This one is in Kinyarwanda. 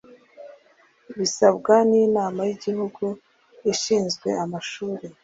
bisabwa n inama y igihugu ishinzwe amashuri